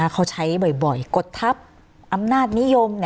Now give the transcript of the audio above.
เขาใช้บ่อยกฎทัพอำนาจนิยม